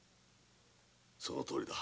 そのとおりだ。